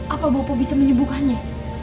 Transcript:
apa bopo bisa menyebukannya